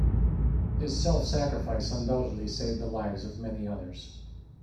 His self-sacrifice undoubtedly saved the lives of many others.